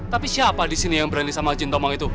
tapi siapa di sini yang berani sama jin tomong itu